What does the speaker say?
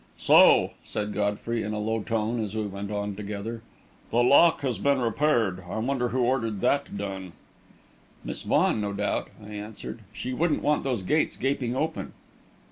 "So," said Godfrey, in a low tone, as we went on together, "the lock has been repaired. I wonder who ordered that done?" "Miss Vaughan, no doubt," I answered. "She wouldn't want those gates gaping open."